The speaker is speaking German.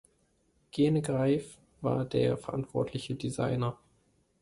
Gene Greif war der verantwortliche Designer.